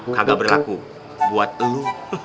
kagak berlaku buat lu